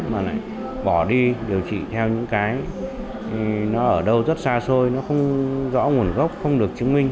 mà lại bỏ đi điều trị theo những cái nó ở đâu rất xa xôi nó không rõ nguồn gốc không được chứng minh